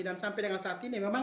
sampai dengan saat ini memang